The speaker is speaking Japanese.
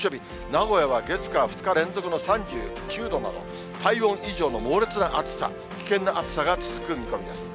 名古屋は月、火、２日連続の３９度など、体温以上の猛烈な暑さ、危険な暑さが続く見込みです。